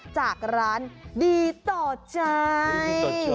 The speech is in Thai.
จากร้านดีต่อใจ